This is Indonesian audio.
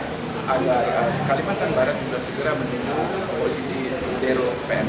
karena kalimantan barat juga segera menuju posisi zero